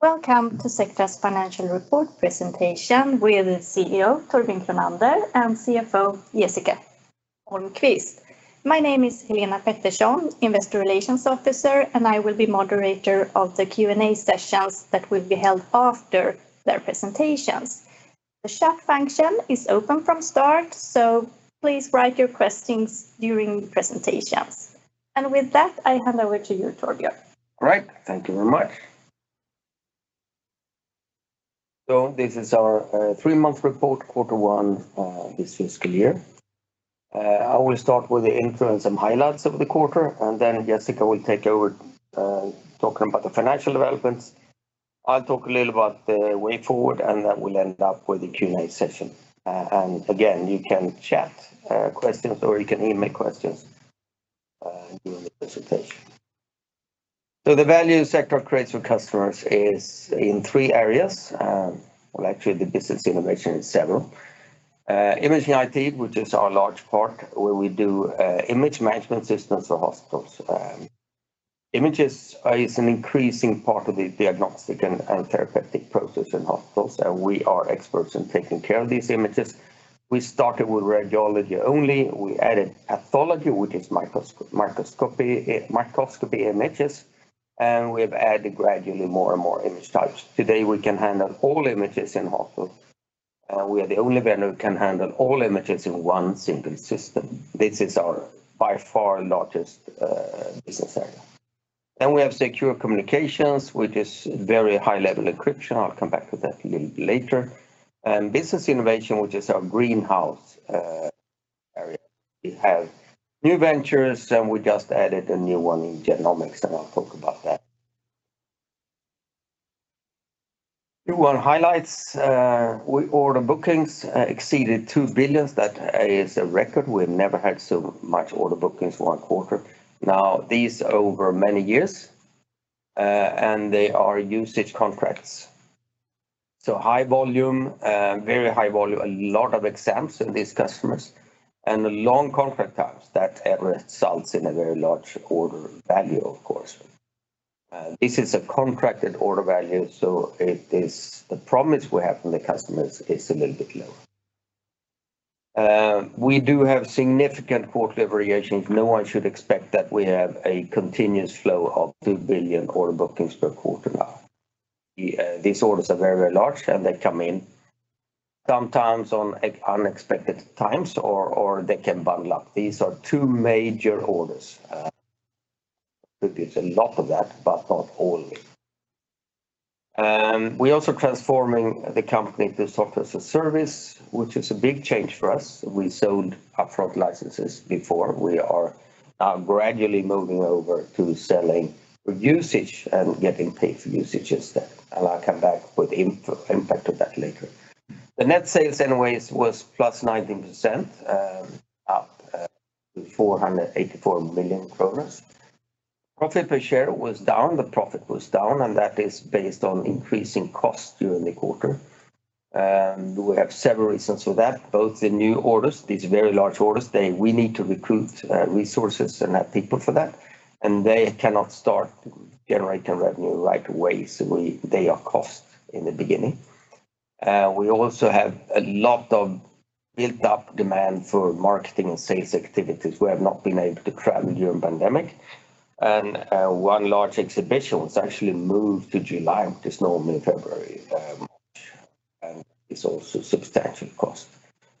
Welcome to Sectra's financial report presentation with CEO Torbjörn Kronander and CFO Jessica Holmquist. My name is Helena Pettersson, Investor Relations Officer, and I will be moderator of the Q&A sessions that will be held after their presentations. The chat function is open from start, so please write your questions during presentations. With that, I hand over to you, Torbjörn. Great. Thank you very much. This is our three-month report, quarter one, this fiscal year. I will start with the intro and some highlights of the quarter, and then Jessica will take over, talking about the financial developments. I'll talk a little about the way forward, and then we'll end up with the Q&A session. Again, you can chat questions, or you can email questions, during the presentation. The value Sectra creates for customers is in three areas. Actually, the Business Innovation is several. Imaging IT, which is our large part, where we do image management systems for hospitals. Images is an increasing part of the diagnostic and therapeutic process in hospitals, and we are experts in taking care of these images. We started with radiology only. We added pathology, which is microscopy images, and we've added gradually more and more image types. Today, we can handle all images in hospital, and we are the only vendor who can handle all images in one single system. This is our, by far, largest business area. We have Secure Communications, which is very high-level encryption. I'll come back to that a little bit later. Business Innovation, which is our greenhouse area. We have new ventures, and we just added a new one in genomics, and I'll talk about that. New one highlights. Order bookings exceeded 2 billion. That is a record. We've never had so much order bookings one quarter. Now, these are over many years, and they are usage contracts, so high volume, very high volume, a lot of exams in these customers, and long contract times that results in a very large order value, of course. This is a contracted order value, so it is the promise we have from the customers is a little bit low. We do have significant quarterly variations. No one should expect that we have a continuous flow of 2 billion order bookings per quarter now. These orders are very, very large, and they come in sometimes on unexpected times or they can bundle up. These are two major orders. So there's a lot of that, but not all. We also transforming the company to software as a service, which is a big change for us. We sold upfront licenses before. We are now gradually moving over to selling usage and getting paid for usage instead, and I'll come back with impact of that later. The net sales anyways was plus 19%, up 484 million kronor. Profit per share was down. The profit was down, and that is based on increasing costs during the quarter. We have several reasons for that, both the new orders, these very large orders, we need to recruit resources and have people for that, and they cannot start generating revenue right away, so they are cost in the beginning. We also have a lot of built-up demand for marketing and sales activities. We have not been able to travel during pandemic, and one large exhibition was actually moved to July. It's normally February, March, and it's also substantial cost.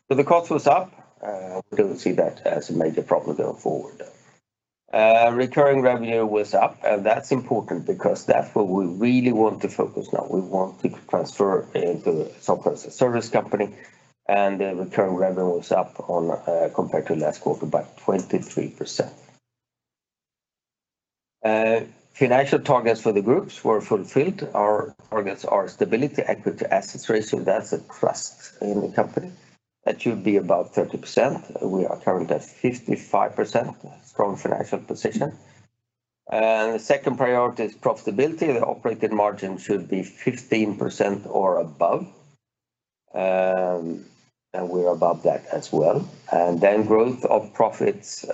The cost was up. We don't see that as a major problem going forward. Recurring revenue was up, and that's important because that's where we really want to focus now. We want to transfer into software as a service company, and the recurring revenue was up, compared to last quarter by 23%. Financial targets for the Group were fulfilled. Our targets are stability, equity/assets ratio. That's a trust in the company. That should be about 30%. We are currently at 55%. Strong financial position. The second priority is profitability. The operating margin should be 15% or above, and we're above that as well. Growth of profits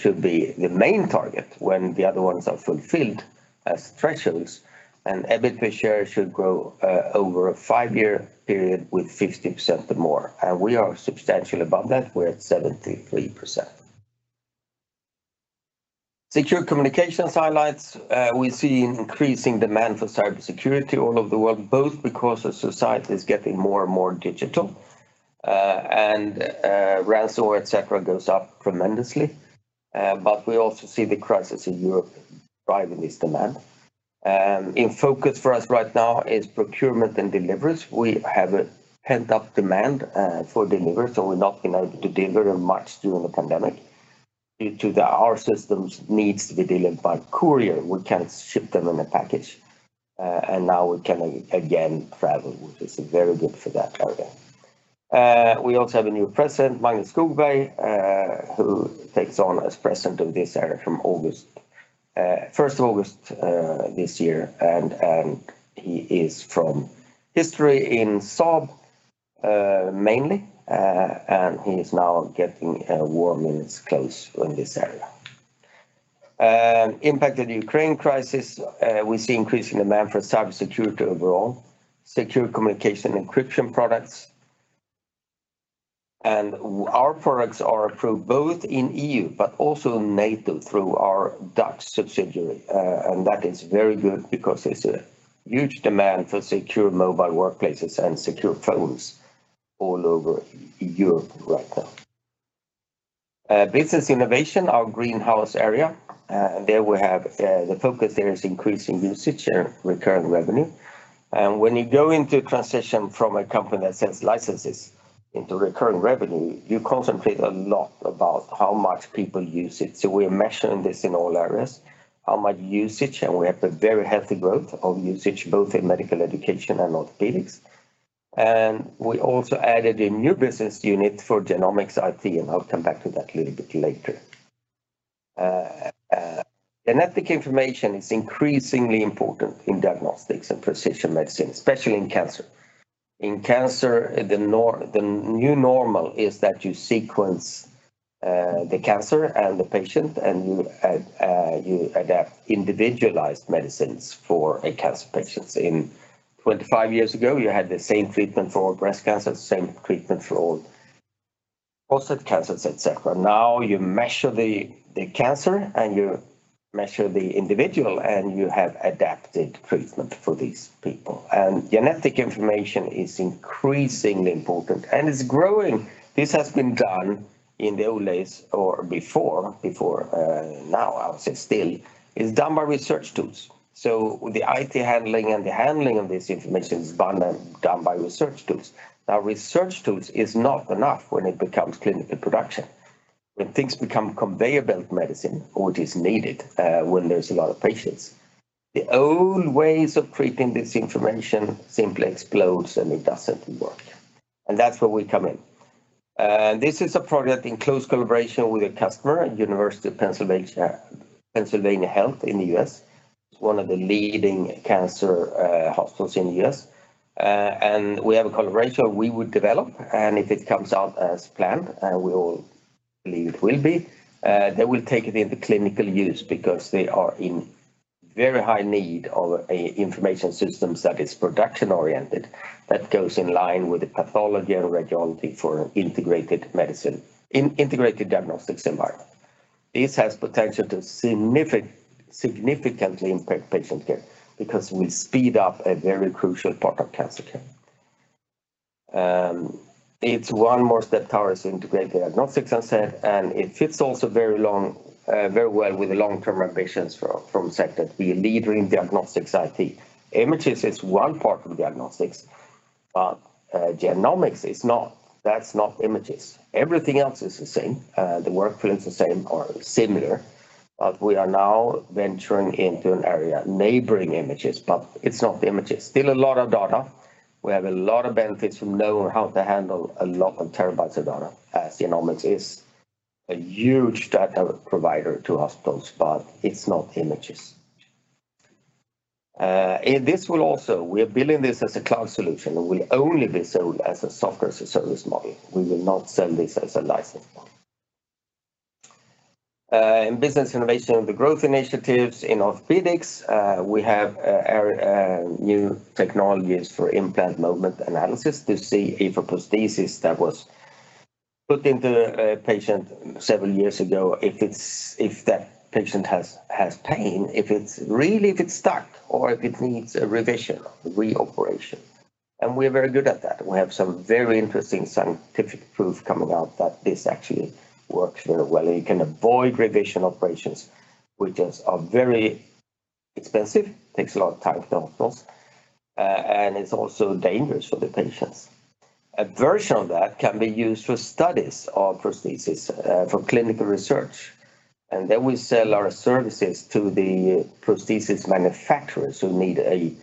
should be the main target when the other ones are fulfilled as thresholds. EBIT per share should grow over a five-year period with 50% or more. We are substantially above that. We're at 73%. Secure Communications highlights. We see an increasing demand for cybersecurity all over the world, both because the society is getting more and more digital, and ransomware, et cetera, goes up tremendously, but we also see the crisis in Europe driving this demand. In focus for us right now is procurement and deliveries. We have a pent-up demand for delivery, so we've not been able to deliver much during the pandemic due to our systems needs to be delivered by courier. We can't ship them in a package. Now we can again travel, which is very good for that area. We also have a new president, Magnus Skogberg, who takes on as president of this area from August first of August this year, and he has history in Saab mainly, and he is now getting warm in his clothes on this area. Impact of the Ukraine crisis, we see increase in demand for cybersecurity overall, secure communication, encryption products. Our products are approved both in EU but also NATO through our DUX subsidiary. That is very good because there's a huge demand for secure mobile workplaces and secure phones all over Europe right now. Business Innovation, our greenhouse area, there we have the focus there is increasing usage and recurrent revenue. When you go into transition from a company that sells licenses into recurring revenue, you contemplate a lot about how much people use it. We're measuring this in all areas, how much usage, and we have a very healthy growth of usage both in medical education and orthopedics. We also added a new business unit for genomics IT, and I'll come back to that a little bit later. Genetic information is increasingly important in diagnostics and precision medicine, especially in cancer. In cancer, the new normal is that you sequence the cancer and the patient, and you adapt individualized medicines for cancer patients. In 25 years ago, you had the same treatment for all breast cancer, same treatment for all prostate cancers, et cetera. Now you measure the cancer, and you measure the individual, and you have adapted treatment for these people. Genetic information is increasingly important, and it's growing. This has been done in the old days or before, now, I would say still, is done by research tools. The IT handling and the handling of this information is done by research tools. Research tools is not enough when it becomes clinical production. When things become conveyor belt medicine, or it is needed, when there's a lot of patients, the old ways of treating this information simply explodes, and it doesn't work, and that's where we come in. This is a project in close collaboration with a customer at University of Pennsylvania Health System in the U.S. It's one of the leading cancer hospitals in the U.S. We have a collaboration we would develop, and if it comes out as planned, and we all believe it will be, they will take it into clinical use because they are in very high need of a information systems that is production-oriented, that goes in line with the pathology and radiology for integrated medicine, in integrated diagnostics environment. This has potential to significantly impact patient care because we speed up a very crucial part of cancer care. It's one more step towards integrated diagnostics as I said, and it fits also very well with the long-term ambitions for, from Sectra to be a leader in diagnostics IT. Imaging is one part of the diagnostics, but, genomics is not. That's not imaging. Everything else is the same. The workflow is the same or similar, but we are now venturing into an area neighboring images, but it's not the images. Still a lot of data. We have a lot of benefits from knowing how to handle a lot of terabytes of data, as genomics is a huge data provider to hospitals, but it's not images. We are building this as a cloud solution. It will only be sold as a software as a service model. We will not sell this as a license model. In Business Innovation, the growth initiatives in orthopedics, we have a new technologies for implant movement analysis to see if a prosthesis that was put into a patient seven years ago, if that patient has pain, if it's stuck or if it needs a revision, reoperation. We're very good at that. We have some very interesting scientific proof coming out that this actually works very well, and you can avoid revision operations, which are very expensive, takes a lot of time for hospitals, and it's also dangerous for the patients. A version of that can be used for studies of prosthesis, for clinical research, and then we sell our services to the prosthesis manufacturers who need an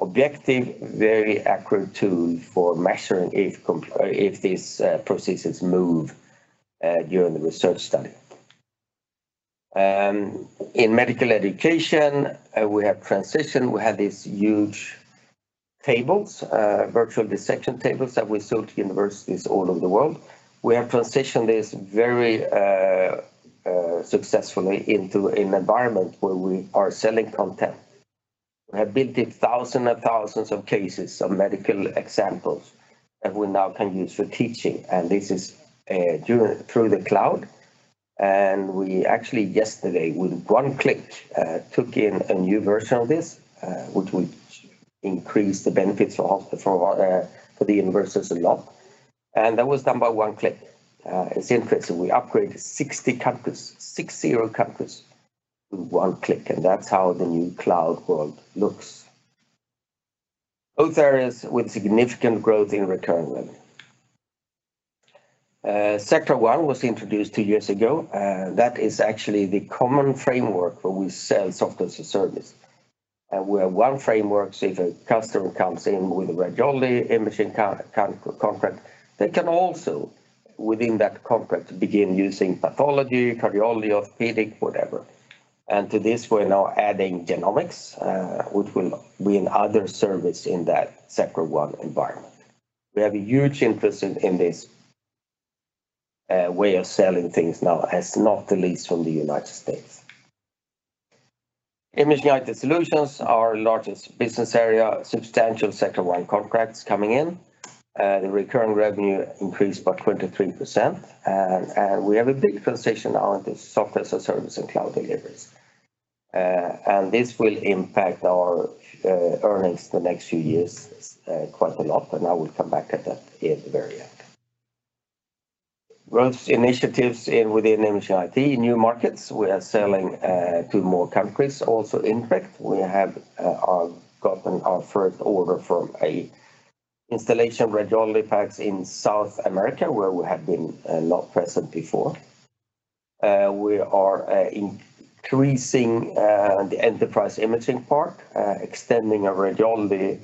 objective, very accurate tool for measuring if or if these, prosthesis move, during the research study. In medical education, we have transitioned. We had these huge tables, virtual dissection tables that we sold to universities all over the world. We have transitioned this very successfully into an environment where we are selling content. We have built thousands and thousands of cases of medical examples that we now can use for teaching, and this is through the cloud. We actually yesterday with one click took in a new version of this, which will increase the benefits for the universities a lot, and that was done by one click. It's interesting. We upgraded 60 campuses with one click, and that's how the new cloud world looks. Both areas with significant growth in recurring revenue. Sectra One was introduced two years ago. That is actually the common framework where we sell software as a service, where one framework, so if a customer comes in with a radiology imaging contract, they can also within that contract begin using pathology, cardiology, orthopedic, whatever. To this, we're now adding genomics, which will be another service in that Sectra One environment. We have a huge interest in this way of selling things now, as not the least from the United States. Imaging IT Solutions, our largest business area, substantial Sectra One contracts coming in. The recurring revenue increased by 23%. We have a big conversation on the software as a service and cloud deliveries. This will impact our earnings the next few years quite a lot, and I will come back at that in the very end. Growth initiatives within Imaging IT. New markets, we are selling to more countries also impact. We have gotten our first order from a installation of Radiology PACS in South America, where we have been not present before. We are increasing the enterprise imaging part, extending our radiology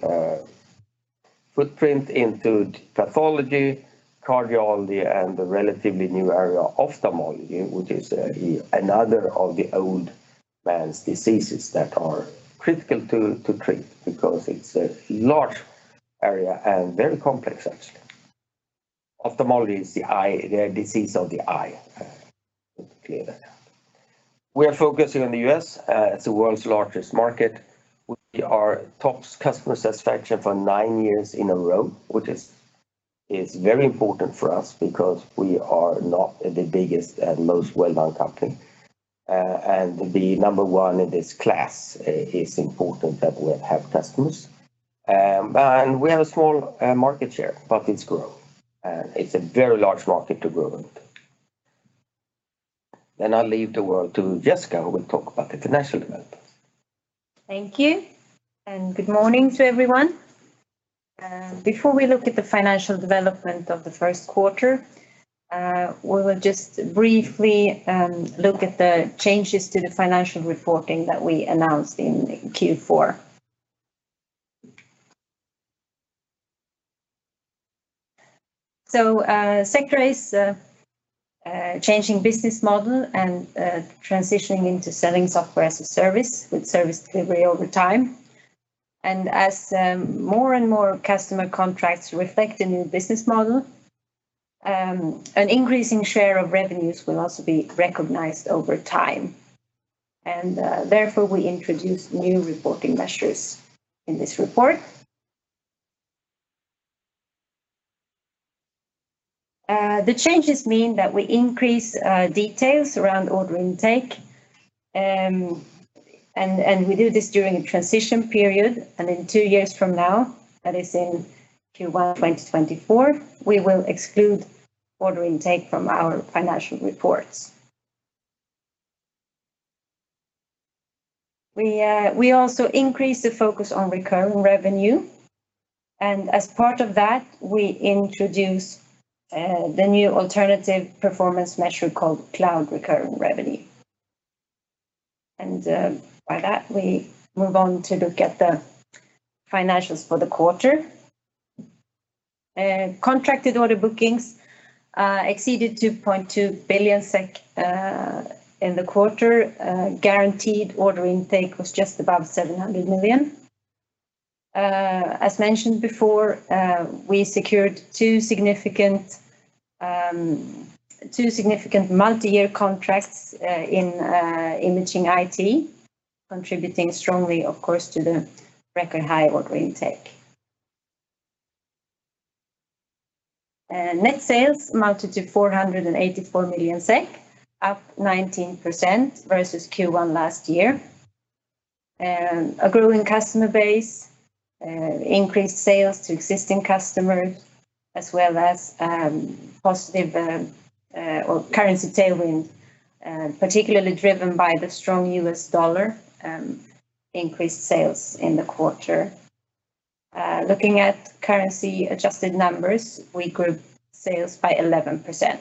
footprint into pathology, cardiology, and the relatively new area of ophthalmology, which is another of the old man's diseases that are critical to treat because it's a large area and very complex actually. Ophthalmology is the eye, the disease of the eye, to clear that out. We are focusing on the U.S., it's the world's largest market. We are top customer satisfaction for nine years in a row, which is very important for us because we are not the biggest and most well-known company. The number one in this class is important that we have customers. We have a small market share, but it's growing. It's a very large market to grow into. I'll leave the word to Jessica, who will talk about international developments. Thank you, and good morning to everyone. Before we look at the financial development of the first quarter, we will just briefly look at the changes to the financial reporting that we announced in Q4. Sectra is changing business model and transitioning into selling software as a service with service delivery over time. As more and more customer contracts reflect the new business model, an increasing share of revenues will also be recognized over time. Therefore, we introduce new reporting measures in this report. The changes mean that we increase details around order intake. We do this during a transition period, and in two years from now, that is in Q1 2024, we will exclude order intake from our financial reports. We also increase the focus on recurring revenue. As part of that, we introduce the new alternative performance metric called cloud recurring revenue. By that, we move on to look at the financials for the quarter. Contracted order bookings exceeded 2.2 billion SEK in the quarter. Guaranteed order intake was just above 700 million. As mentioned before, we secured two significant multi-year contracts in Imaging IT, contributing strongly, of course, to the record high order intake. Net sales amounted to 484 million SEK, up 19% versus Q1 last year. A growing customer base increased sales to existing customers, as well as positive currency tailwind, particularly driven by the strong U.S. dollar, increased sales in the quarter. Looking at currency adjusted numbers, we grew sales by 11%.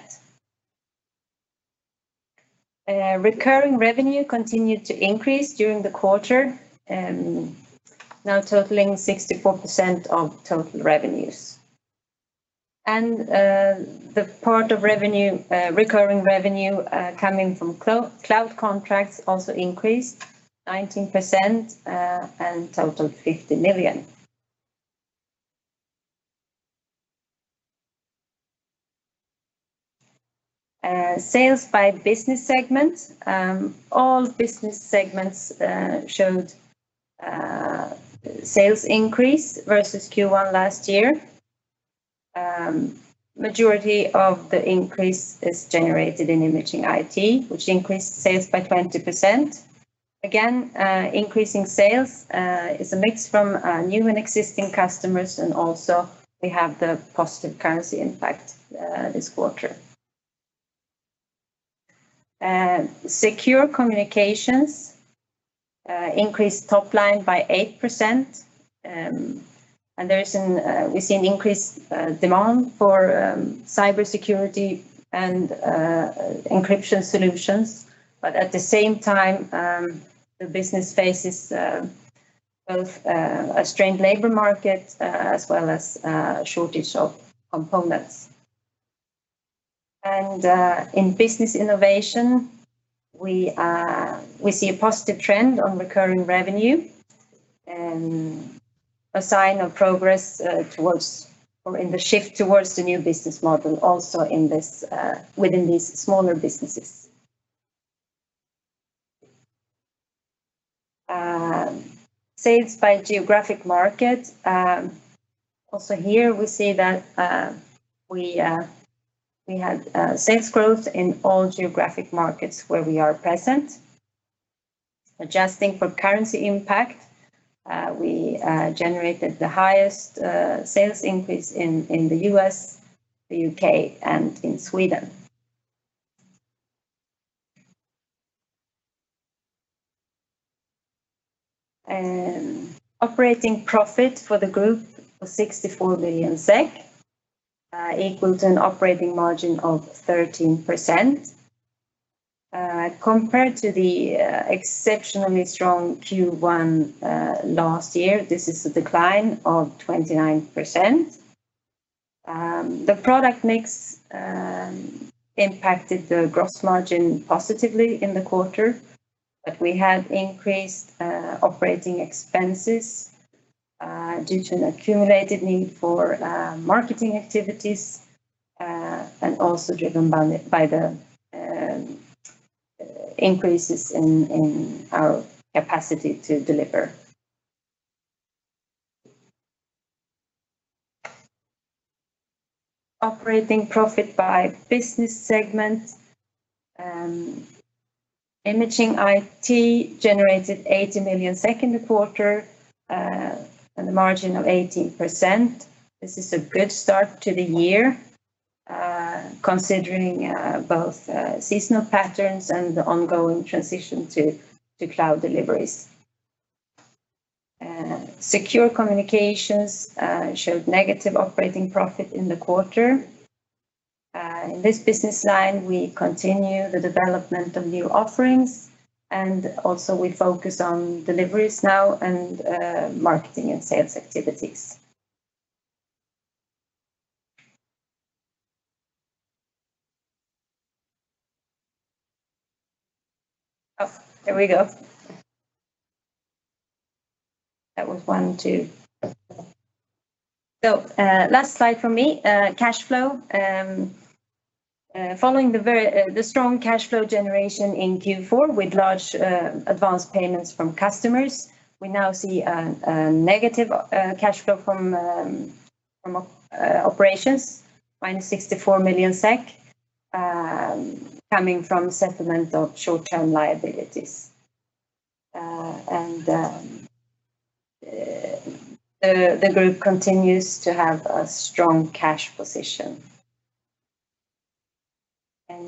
Recurring revenue continued to increase during the quarter, now totaling 64% of total revenues. The part of revenue, recurring revenue, coming from cloud contracts also increased 19% and totaled 50 million. Sales by business segment. All business segments showed sales increase versus Q1 last year. Majority of the increase is generated in Imaging IT, which increased sales by 20%. Again, increasing sales is a mix from new and existing customers, and also we have the positive currency impact this quarter. Secure Communications increased top line by 8%. We see an increased demand for cybersecurity and encryption solutions. At the same time, the business faces both a strained labor market as well as shortage of components. In Business Innovation, we see a positive trend on recurring revenue and a sign of progress towards or in the shift towards the new business model also in this within these smaller businesses. Sales by geographic market. Also here we see that we had sales growth in all geographic markets where we are present. Adjusting for currency impact, we generated the highest sales increase in the U.S., the U.K., and in Sweden. Operating profit for the group was 64 million SEK, equal to an operating margin of 13%. Compared to the exceptionally strong Q1 last year, this is a decline of 29%. The product mix impacted the gross margin positively in the quarter, but we had increased operating expenses due to an accumulated need for marketing activities, and also driven by the increases in our capacity to deliver. Operating profit by business segment. Imaging IT generated 80 million in the quarter, and a margin of 18%. This is a good start to the year, considering both seasonal patterns and the ongoing transition to cloud deliveries. Secure Communications showed negative operating profit in the quarter. In this business line, we continue the development of new offerings, and also we focus on deliveries now and marketing and sales activities. Oh, there we go. That was one, two. Last slide from me, cash flow. Following the very strong cash flow generation in Q4 with large advanced payments from customers, we now see a negative cash flow from operations, -64 million SEK, coming from settlement of short-term liabilities. The group continues to have a strong cash position.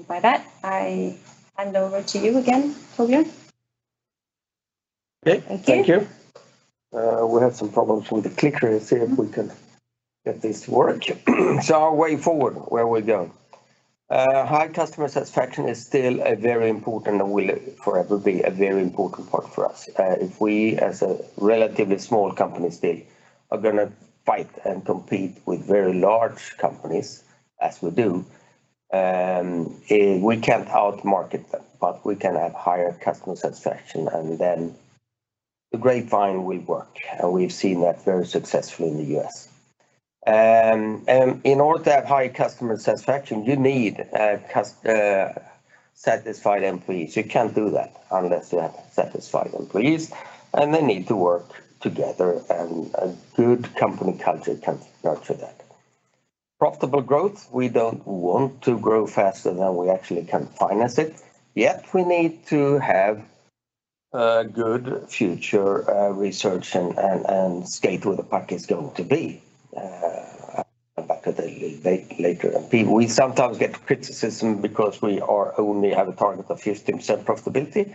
By that, I hand over to you again, Torbjörn. Okay. Thank you. Thank you. We have some problems with the clicker. Let's see if we can get this to work. Our way forward, where are we going? High customer satisfaction is still a very important and will forever be a very important part for us. If we as a relatively small company still are gonna fight and compete with very large companies as we do, we can't outmarket them, but we can have higher customer satisfaction, and then the grapevine will work, and we've seen that very successfully in the U.S. In order to have high customer satisfaction, you need satisfied employees. You can't do that unless you have satisfied employees, and they need to work together, and a good company culture can nurture that. Profitable growth, we don't want to grow faster than we actually can finance it, yet we need to have a good future, research and skate where the puck is going to be. I'll come back to that a little bit later. We sometimes get criticism because we only have a target of 15% profitability,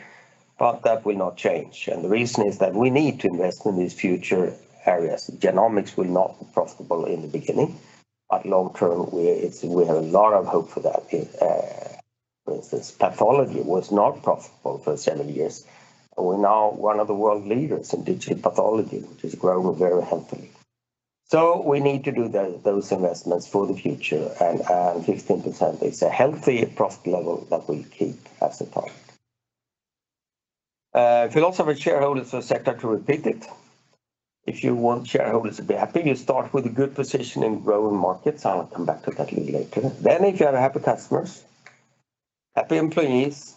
but that will not change. The reason is that we need to invest in these future areas. Genomics will not be profitable in the beginning, but long term, we have a lot of hope for that. For instance, pathology was not profitable for seven years, and we're now one of the world leaders in digital pathology, which is growing very healthy. We need to do those investments for the future and 15% is a healthy profit level that we keep as a target. Philosophy of shareholders, I'll start to repeat it. If you want shareholders to be happy, you start with a good position in growing markets. I'll come back to that a little later. If you have happy customers, happy employees,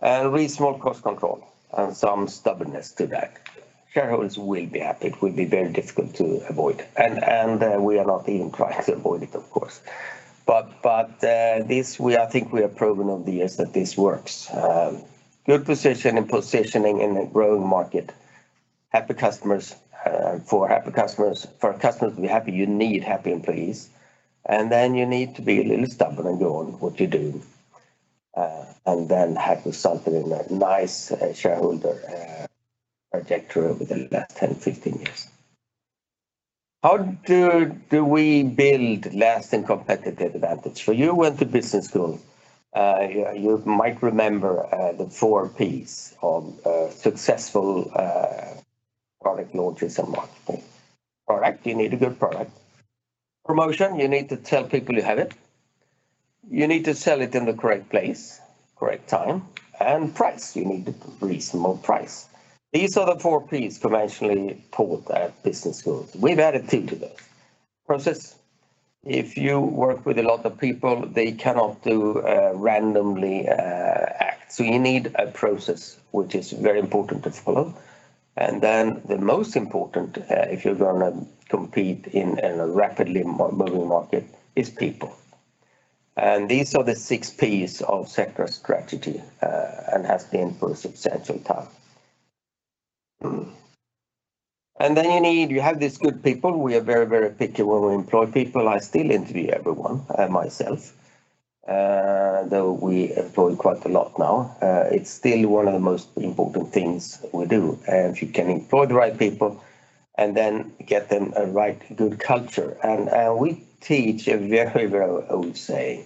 and reasonable cost control, and some stubbornness to that, shareholders will be happy. It will be very difficult to avoid. We are not even trying to avoid it, of course. This, we, I think we have proven over the years that this works. Good position and positioning in a growing market. Happy customers. For customers to be happy, you need happy employees. You need to be a little stubborn and go on with what you do, and then having something in a nice shareholder trajectory over the last 10, 15 years. How do we build lasting competitive advantage? You went to business school. You might remember the four Ps of successful product launches and marketing. Product, you need a good product. Promotion, you need to tell people you have it. You need to sell it in the correct place, correct time, and price. You need a reasonable price. These are the four Ps conventionally taught at business school. We've added two to this. Process. If you work with a lot of people, they cannot act randomly. You need a process which is very important to follow. The most important if you're gonna compete in a rapidly moving market is people. These are the six Ps of Sectra strategy and has been for a substantial time. You have these good people. We are very, very picky when we employ people. I still interview everyone myself though we employ quite a lot now. It's still one of the most important things we do. If you can employ the right people, and then get them a right good culture. We teach a very, very old saying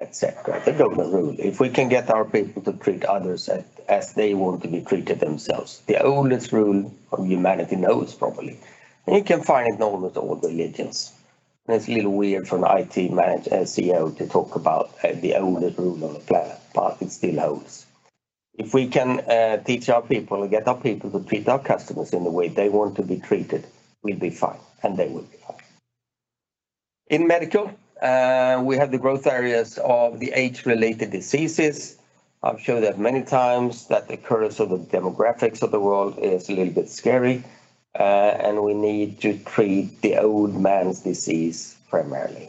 at Sectra, the golden rule. If we can get our people to treat others as they want to be treated themselves, the oldest rule humanity knows probably, and you can find it in almost all religions, and it's a little weird for a CEO to talk about, the oldest rule on the planet, but it still holds. If we can teach our people and get our people to treat our customers in the way they want to be treated, we'll be fine, and they will be fine. In medical, we have the growth areas of the age-related diseases. I've showed that many times that the curves of the demographics of the world is a little bit scary, and we need to treat the old man's disease primarily.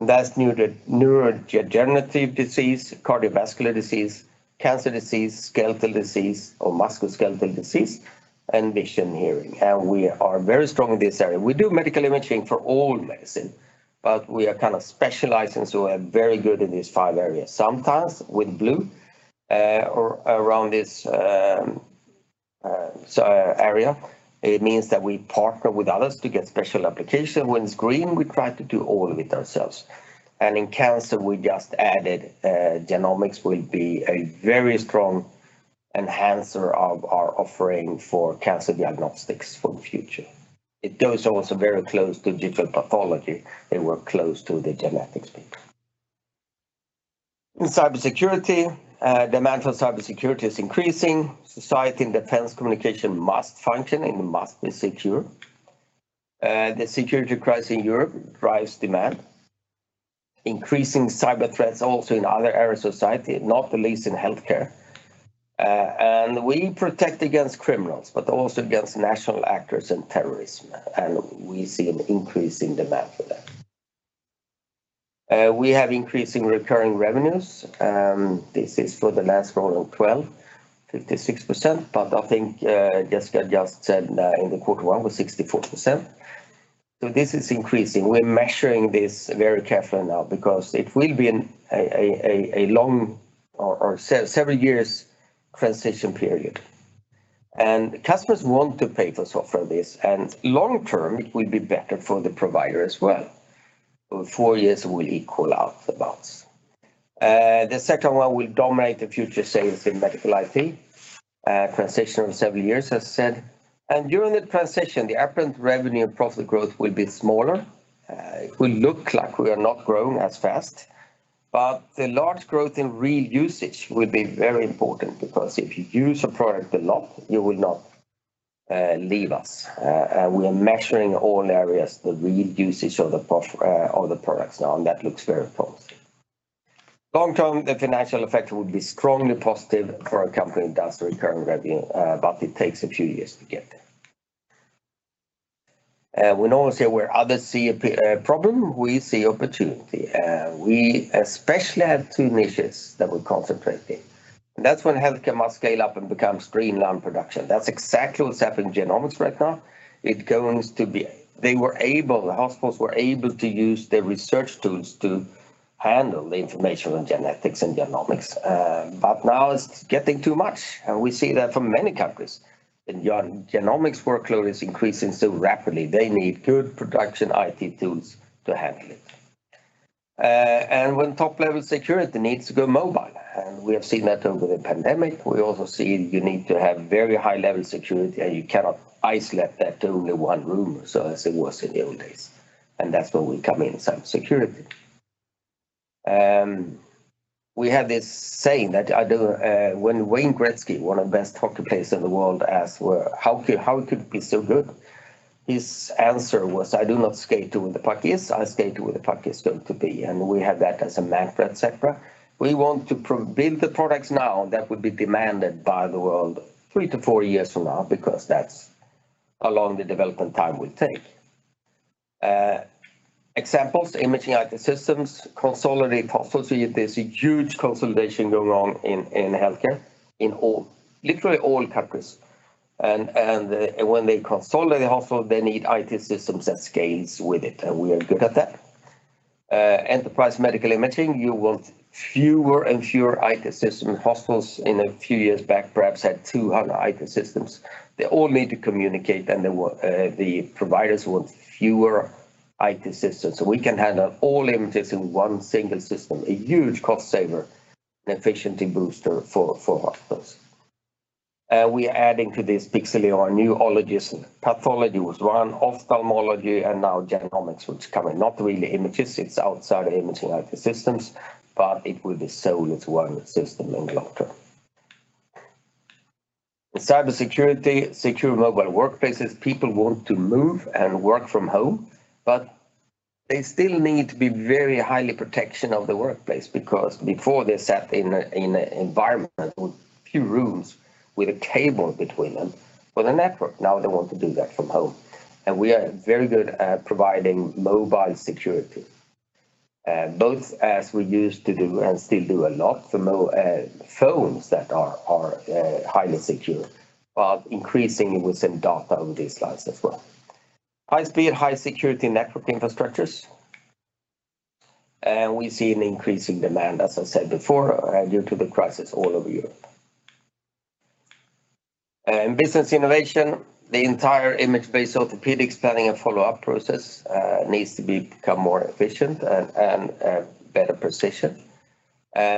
That's neurodegenerative disease, cardiovascular disease, cancer disease, skeletal disease or musculoskeletal disease, and vision, hearing. We are very strong in this area. We do medical imaging for all medicine, but we are kind of specialized, and so we're very good in these five areas. Sometimes with blue or around this area, it means that we partner with others to get special application. When it's green, we try to do all of it ourselves. In cancer, we just added genomics will be a very strong enhancer of our offering for cancer diagnostics for the future. It goes also very close to digital pathology and work close to the genetics people. In cybersecurity, demand for cybersecurity is increasing. Society and defense communication must function, and it must be secure. The security crisis in Europe drives demand. Increasing cyber threats also in other areas of society, not the least in healthcare. We protect against criminals, but also against national actors and terrorism, and we see an increase in demand for that. We have increasing recurring revenues. This is for the last quarter of 2012, 56%, but I think Jessica just said in Q1 was 64%. This is increasing. We're measuring this very carefully now because it will be a several years transition period. Customers want to pay for software this, and long term it will be better for the provider as well. Four years will equal out the balance. The second one will dominate the future sales in medical IT. Transition of several years, as said. During that transition, the apparent revenue and profit growth will be smaller. It will look like we are not growing as fast. The large growth in real usage will be very important because if you use a product a lot, you will not leave us. We are measuring all areas, the real usage of the products now, and that looks very positive. Long term, the financial effect will be strongly positive for a company that does recurring revenue, but it takes a few years to get there. We normally say, "Where others see a problem, we see opportunity." We especially have two niches that we concentrate in. That's when healthcare must scale up and become streamlined production. That's exactly what's happening in genomics right now. It goes to be. They were able, the hospitals were able to use their research tools to handle the information on genetics and genomics. Now it's getting too much, and we see that from many countries. The genomics workload is increasing so rapidly. They need good production IT tools to handle it. When top-level security needs to go mobile, and we have seen that over the pandemic. We also see you need to have very high-level security, and you cannot isolate that to only one room, so as it was in the old days, and that's where we come in, cyber security. We have this saying that I do, when Wayne Gretzky, one of the best hockey players in the world, asked, "Well, how could you be so good?" His answer was, "I do not skate to where the puck is. I skate to where the puck is going to be." We have that as a mantra at Sectra. We want to build the products now that will be demanded by the world three to four years from now because that's how long the development time will take. Examples, Imaging IT systems consolidate hospitals. There's a huge consolidation going on in healthcare in all, literally all countries. When they consolidate the hospital, they need IT systems that scale with it, and we are good at that. Enterprise imaging, you want fewer and fewer IT systems. Hospitals in a few years back perhaps had 200 IT systems. They all need to communicate, and the providers want fewer IT systems. We can handle all images in one single system, a huge cost saver and efficiency booster for hospitals. We are adding to this Pixeleo, our new ologists. Pathology was one, ophthalmology, and now genomics, which is coming. Not really images, it's outside Imaging IT systems, but it will be sold as one system in the long-term. Cyber security, secure mobile workplaces. People want to move and work from home, but they still need to be very highly protection of the workplace because before they sat in an environment with few rooms with a table between them with a network. Now they want to do that from home. We are very good at providing mobile security, both as we used to do and still do a lot for mobile phones that are highly secure, but increasing with some data over these slides as well. High speed, high security network infrastructures. We see an increasing demand, as I said before, due to the crisis all over Europe. In Business Innovation, the entire image-based orthopedics planning and follow-up process needs to be become more efficient and better precision.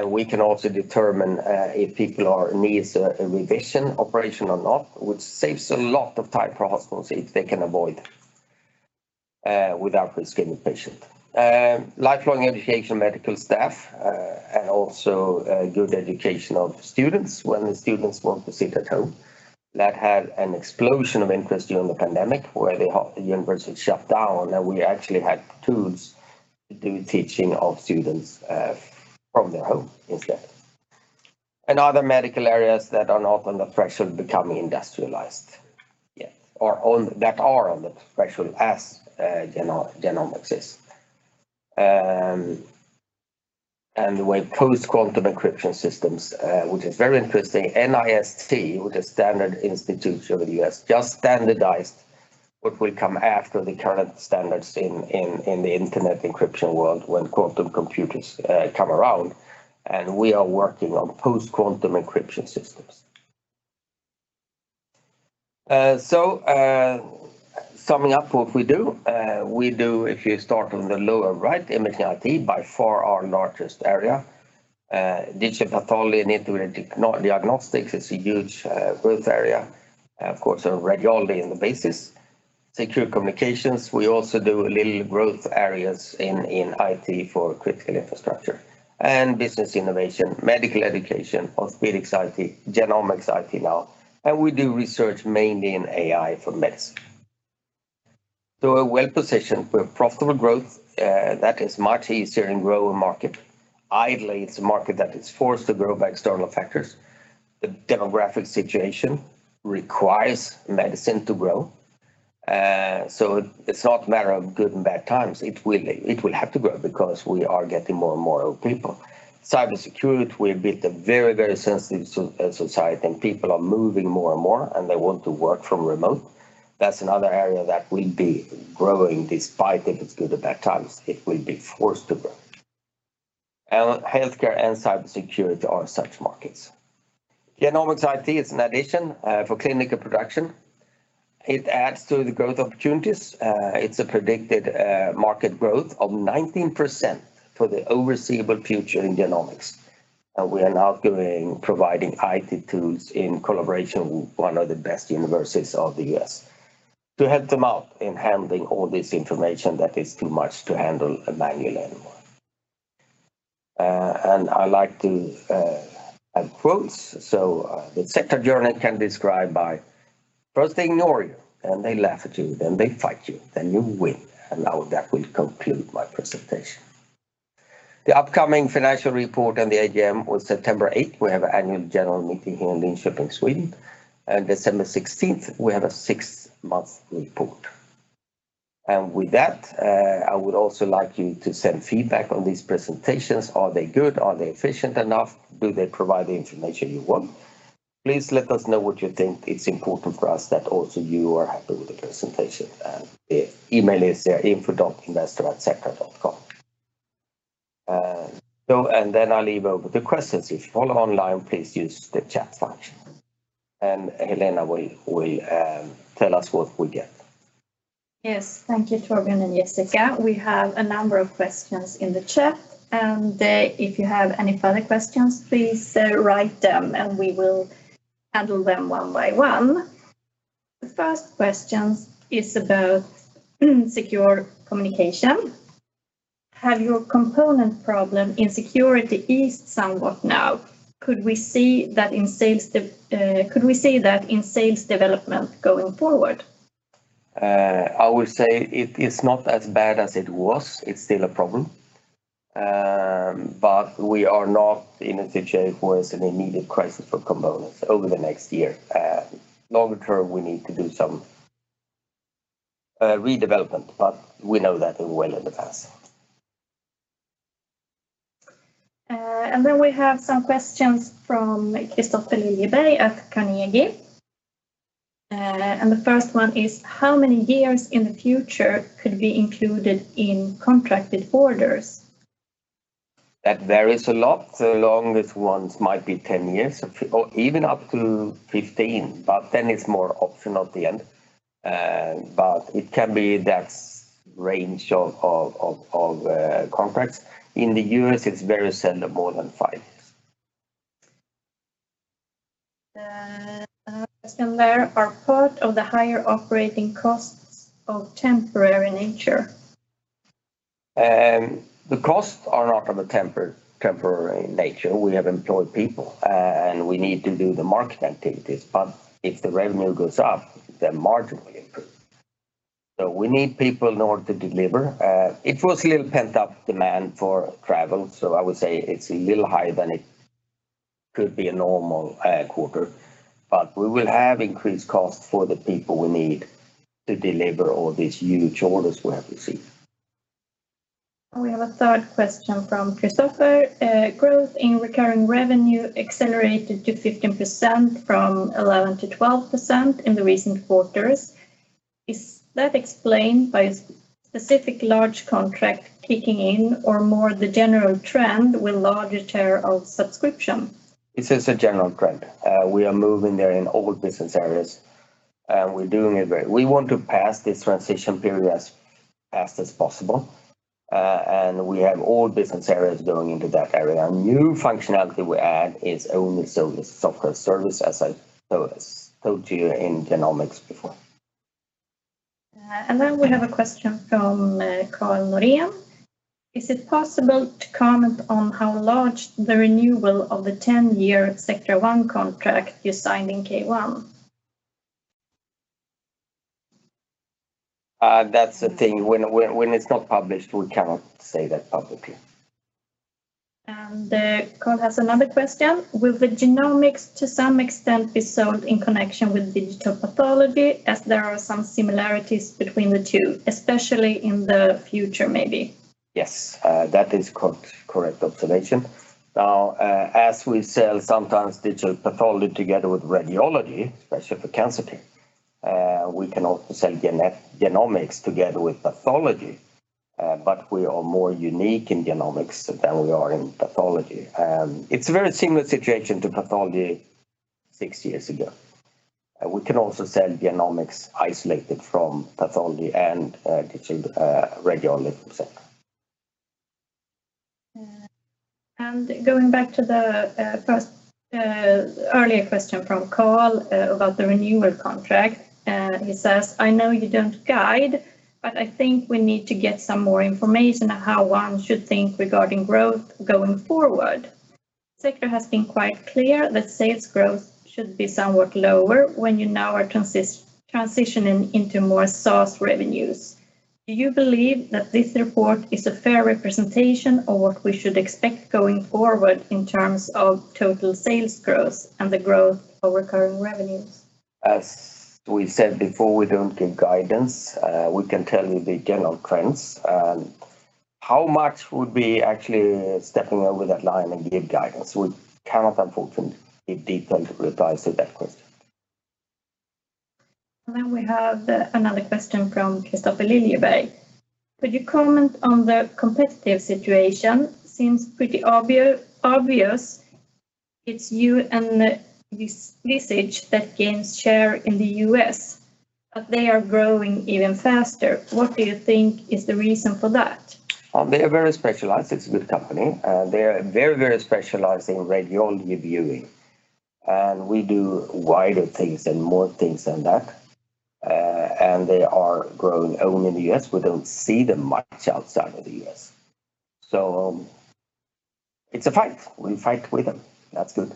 We can also determine if people are needs a revision operation or not, which saves a lot of time for hospitals if they can avoid without risking the patient. Lifelong education medical staff and also good education of students when the students want to sit at home. That had an explosion of interest during the pandemic where they the universities shut down, and we actually had tools to do teaching of students from their home instead. Other medical areas that are not on the threshold of becoming industrialized, or that are on the threshold as genomics is. With post-quantum encryption systems, which is very interesting, NIST, which is the standards institute of the U.S., just standardized what will come after the current standards in the internet encryption world when quantum computers come around, and we are working on post-quantum encryption systems. Summing up what we do, if you start on the lower right, Imaging IT, by far our largest area. Digital pathology and intuitive diagnostics is a huge growth area. Of course, radiology as the basis. Secure Communications, we also do a little growth areas in IT for critical infrastructure. Business Innovation, medical education, orthopedics IT, genomics IT now. We do research mainly in AI for medicine. We're well-positioned for profitable growth, that is much easier in growing market. Ideally, it's a market that is forced to grow by external factors. The demographic situation requires medicine to grow, so it's not a matter of good and bad times. It will have to grow because we are getting more and more old people. Cybersecurity will be the very, very sensitive society and people are moving more and more, and they want to work from remote. That's another area that will be growing despite if it's good or bad times. It will be forced to grow. Healthcare and cybersecurity are such markets. Genomics IT is an addition for clinical production. It adds to the growth opportunities. It's a predicted market growth of 19% for the foreseeable future in genomics. We are now providing IT tools in collaboration with one of the best universities of the U.S. to help them out in handling all this information that is too much to handle manually anymore. I like to have quotes. The Sectra journey can describe by, "First they ignore you, then they laugh at you, then they fight you, then you win." Now that will conclude my presentation. The upcoming financial report and the AGM on September 8th, we have annual general meeting here in Linköping, Sweden. December 16th, we have a six-month report. With that, I would also like you to send feedback on these presentations. Are they good? Are they efficient enough? Do they provide the information you want? Please let us know what you think. It's important for us that also you are happy with the presentation. The email is there, info.investor@sectra.com. Then I leave over the questions. If you follow online, please use the chat function. Helena will tell us what we get. Yes. Thank you, Torbjörn and Jessica. We have a number of questions in the chat, and if you have any further questions, please write them, and we will handle them one by one. The first questions is about secure communication. Have your component problem in security eased somewhat now? Could we see that in sales development going forward? I would say it is not as bad as it was. It's still a problem. We are not in a situation where it's an immediate crisis for components over the next year. Longer term, we need to do some redevelopment, but we know that well in the past. We have some questions from Kristofer Liljeberg at Carnegie. The first one is how many years in the future could be included in contracted orders? That varies a lot. The longest ones might be 10 years or even up to 15, but then it's more optional at the end. It can be that range of contracts. In the U.S. it's very seldom more than five. The next one there, are part of the higher operating costs of temporary nature? The costs are not of a temporary nature. We have employed people and we need to do the market activities, but if the revenue goes up, the margin will improve. We need people in order to deliver. It was a little pent-up demand for travel, so I would say it's a little higher than it could be a normal quarter. We will have increased costs for the people we need to deliver all these huge orders we have received. We have a third question from Kristofer Liljeberg. Growth in recurring revenue accelerated to 15% from 11%-12% in the recent quarters. Is that explained by specific large contract kicking in or more the general trend with larger share of subscription? It's just a general trend. We are moving there in all business areas, and we're doing it. We want to pass this transition period as fast as possible, and we have all business areas going into that area. New functionality we add is only service, software service, as I told you in genomics before. We have a question from Carl Norén. Is it possible to comment on how large the renewal of the 10-year Sectra One contract you signed in Q1? That's the thing, when it's not published we cannot say that publicly. Carl Norén has another question. Will the genomics to some extent be sold in connection with digital pathology as there are some similarities between the two, especially in the future maybe? Yes, that is correct observation. Now, as we sell sometimes digital pathology together with radiology, especially for cancer team, we can also sell genomics together with pathology, but we are more unique in genomics than we are in pathology. It's a very similar situation to pathology six years ago. We can also sell genomics isolated from pathology and digital radiology, so. Going back to the first earlier question from Carl about the renewal contract, he says, "I know you don't guide, but I think we need to get some more information on how one should think regarding growth going forward. Sectra has been quite clear that sales growth should be somewhat lower when you now are transitioning into more SaaS revenues. Do you believe that this report is a fair representation of what we should expect going forward in terms of total sales growth and the growth of recurring revenues? As we said before, we don't give guidance. We can tell you the general trends, and how much would be actually stepping over that line and give guidance. We cannot unfortunately give detailed replies to that question. We have another question from Kristofer Liljeberg. Could you comment on the competitive situation? Seems pretty obvious it's you and Visage that gains share in the U.S., but they are growing even faster. What do you think is the reason for that? They are very specialized. It's a good company. They are very, very specialized in radiology viewing, and we do wider things and more things than that. They are growing only in the U.S. We don't see them much outside of the U.S. It's a fight. We fight with them. That's good.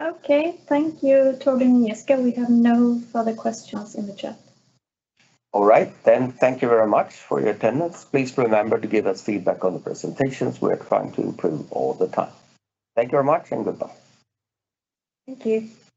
Okay. Thank you, Torbjörn and Jessica. We have no further questions in the chat. All right, thank you very much for your attendance. Please remember to give us feedback on the presentations. We are trying to improve all the time. Thank you very much, and goodbye. Thank you.